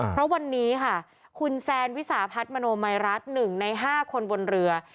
เพราะวันนี้ค่ะคุณแซนวิสาพัฒน์มโนมัยรัฐ๑ใน๕คนบนเรือ